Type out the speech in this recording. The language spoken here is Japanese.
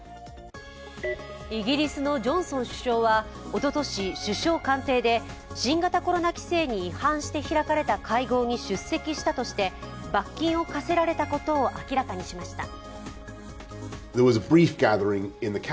イギリスのジョンソン首相はおととし首相官邸で新型コロナ規制に違反して開かれた会合に出席したとして罰金を科せられたことを明らかにしました。